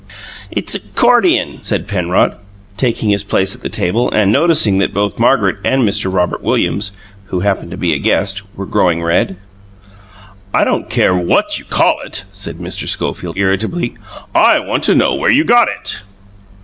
"It's a 'cordian," said Penrod, taking his place at the table, and noticing that both Margaret and Mr. Robert Williams (who happened to be a guest) were growing red. "I don't care what you call it," said Mr. Schofield irritably. "I want to know where you got it."